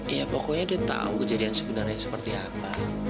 ya pokoknya dia tau kejadian sebenarnya seperti apa